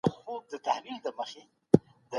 برابري د ټولني بنسټ جوړوي.